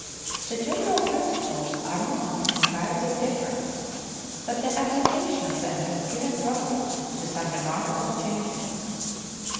The general principles are not entirely differ ent, but the application of them has given rise to some remarkable changes.